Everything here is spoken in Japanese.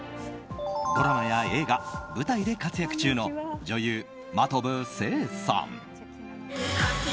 ドラマや映画、舞台で活躍中の女優・真飛聖さん。